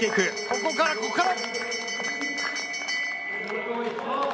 ここからここから！